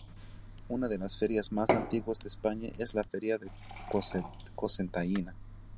Una de las ferias más antiguas de España es la Feria de Cocentaina.